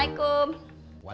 lah kau udah pulang